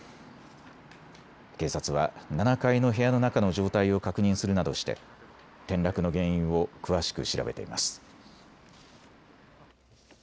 警察は７階の部屋の中の状態を確認するなどして転落の原因を詳しく調べています。